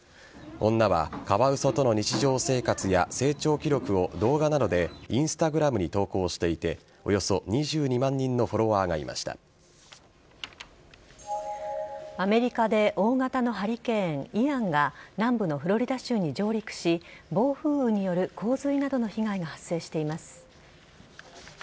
女は、カワウソとの日常生活や成長記録を動画などでＩｎｓｔａｇｒａｍに投稿していておよそ２２万人のフォロワーがアメリカで大型のハリケーン・イアンが南部のフロリダ州に上陸し暴風雨による洪水などの被害が発生しています。